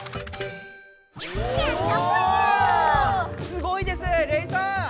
すごいですレイさん！